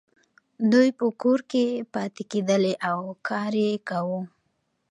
دوی په کور کې پاتې کیدلې او کار یې کاوه.